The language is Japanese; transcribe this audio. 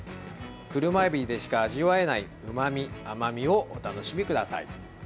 クルマエビでしか味わえないうまみ、甘みをお楽しみください。